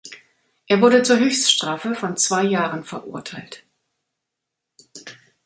Er wurde zur Höchststrafe von zwei Jahren verurteilt.